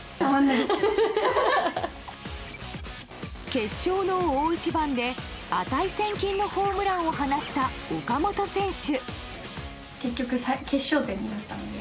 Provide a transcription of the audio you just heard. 決勝の大一番で値千金のホームランを放った岡本選手。